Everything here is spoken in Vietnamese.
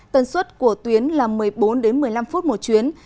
tần suất của tuyến là một mươi bốn một mươi năm phút một chuyến